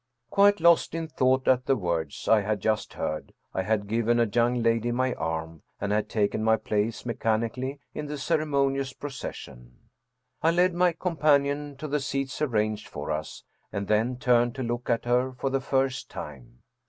Quite lost in thought at the words I had just heard, I had given a young lady my arm, and had taken my place mechanically in the ceremonious procession. I led my companion to the seats arranged for us, and then turned to look at her for the first time.